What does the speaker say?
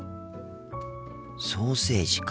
ソーセージか。